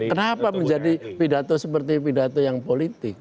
kenapa menjadi pidato seperti pidato yang politik